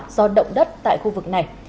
do động đất tại khu vực này